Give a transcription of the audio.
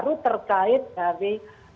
baru terkait dari